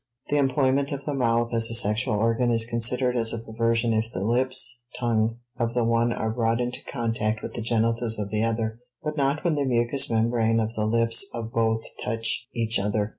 The employment of the mouth as a sexual organ is considered as a perversion if the lips (tongue) of the one are brought into contact with the genitals of the other, but not when the mucous membrane of the lips of both touch each other.